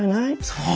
そう！